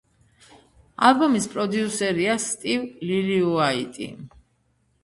ალბომის პროდიუსერია სტივ ლილიუაიტი.